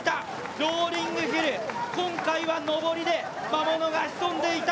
ローリングヒル、今回は登りで魔物が潜んでいた。